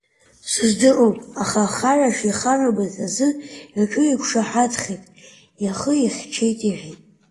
Сыздыруам, аха ахара шихарамыз азы иҿы иқәшаҳаҭхеит, ихы ихьчеит иҳәеит.